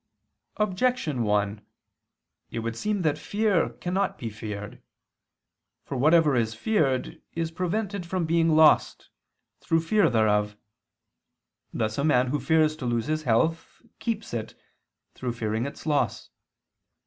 Objection 1: It would seem that fear cannot be feared. For whatever is feared, is prevented from being lost, through fear thereof: thus a man who fears to lose his health, keeps it, through fearing its loss.